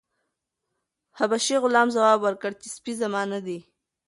حبشي غلام ځواب ورکړ چې سپی زما نه دی.